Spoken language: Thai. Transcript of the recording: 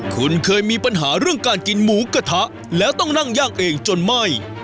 คุณเคยมีปัญหาเรื่องการกินหมูกระทะแล้วต้องนั่งย่างเองจนไหม้